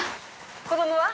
子供は？